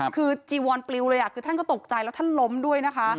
คือจีวอนปลิวเลยคือท่านก็ตกใจแล้วท่านล้มด้วยนะคะ